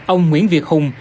ông nguyễn việt hùng